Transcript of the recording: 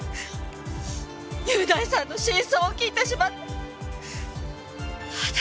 優大さんの真相を聞いてしまって私